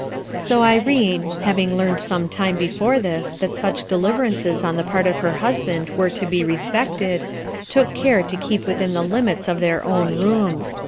So Irene, having learned some time before this that such deliverances on the part of her hus band were to be respected, took care to keep within the limits of their own rooms.